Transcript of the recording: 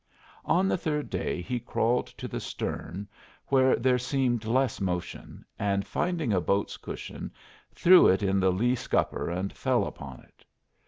On the third day he crawled to the stern, where there seemed less motion, and finding a boat's cushion threw it in the lee scupper and fell upon it.